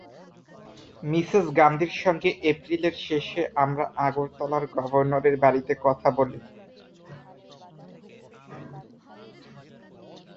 Mrs গান্ধীর সঙ্গে এপ্রিলের শেষে আমরা আগরতলার গভর্নরের বাড়িতে কথা বলি।